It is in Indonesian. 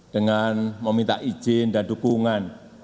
dengan meminta izin dan dukungan